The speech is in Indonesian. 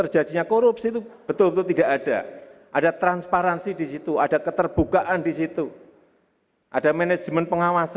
yang member messed up